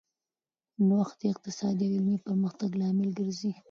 نوښت د اقتصادي او علمي پرمختګ لامل ګرځي.